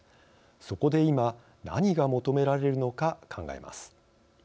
そこで今何が求められるのか考えます。